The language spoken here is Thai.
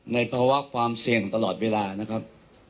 ในภาวะความเสี่ยงตลอดเวลานะครับ